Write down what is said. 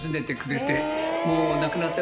もう亡くなった。